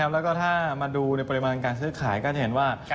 แล้วก็ถ้ามาดูในปริมาณการซื้อขายก็จะเห็นว่า